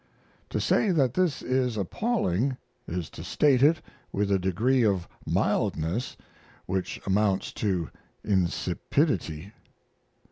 To say that this is appalling is to state it with a degree of mildness which amounts to insipidity.